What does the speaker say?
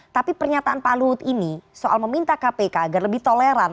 tapi pernyataan pak luhut ini soal meminta kpk agar lebih toleran